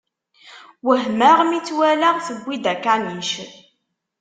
Wehmeɣ mi tt-walaɣ tewwi-d akanic.